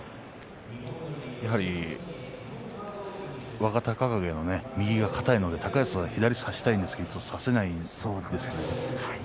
やはり若隆景の右がかたいので高安は左を差したいんですけれど差せないんです。